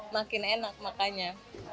makin enak makanya